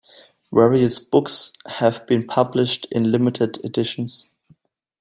Various books have been published in limited editions.